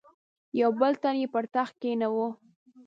یو بل تن یې پر تخت کښېناوه.